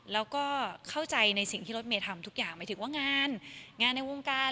แล้วก็เข้าใจในสิ่งที่รถเมย์ทำทุกอย่างหมายถึงว่างานงานในวงการ